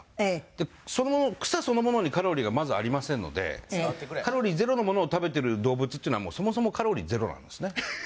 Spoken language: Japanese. で草そのものにカロリーがまずありませんのでカロリーゼロのものを食べてる動物というのはそもそもカロリーゼロなんですね。